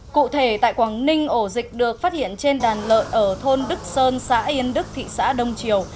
cụ thể tại quảng ninh ổ dịch được phát hiện trên đàn lợn ở thôn đức sơn xã yên đức thị xã đông triều